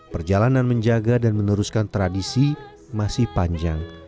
perjalanan menjaga dan meneruskan tradisi masih panjang